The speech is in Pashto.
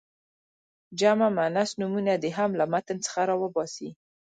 جمع مؤنث نومونه دې هم له متن څخه را وباسي.